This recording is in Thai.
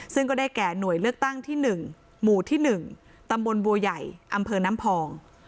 ซึ่งก็ได้แก่หน่วยเลือกตั้งที่๑หมู่ที่๑ตำบลบัวใหญ่อำเภอน้ำพอง